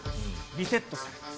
リセットされます。